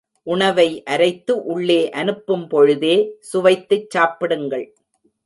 உணவை அரைத்து உள்ளே அனுப்பும் பொழுதே, சுவைத்துச் சாப்பிடுங்கள்.